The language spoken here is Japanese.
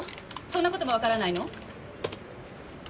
そんな事もわからないの？